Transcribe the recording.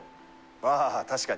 ああ確かに。